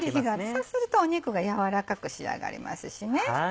そうすると肉がやわらかく仕上がりますしね。